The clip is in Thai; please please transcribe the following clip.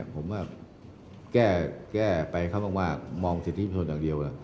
ผมก็แก้ไปกับเค้ามากมองเศรษฐิภาพโชคดังเดียว